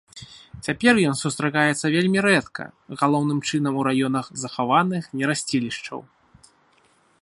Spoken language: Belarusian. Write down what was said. Цяпер ён сустракаецца вельмі рэдка, галоўным чынам у раёнах захаваных нерасцілішчаў.